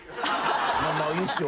まあいいっすよ